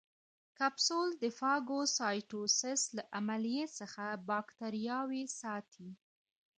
کپسول د فاګوسایټوسس له عملیې څخه باکتریاوې ساتي.